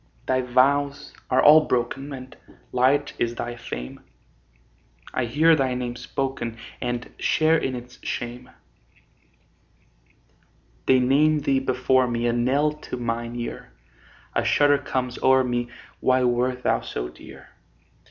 Thy vows are all broken, And light is thy fame; I hear thy name spoken, And share in its shame. They name thee before me, A knell to mine ear; A shudder comes o'er me Why wert thou so dear?